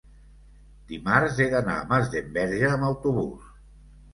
dimarts he d'anar a Masdenverge amb autobús.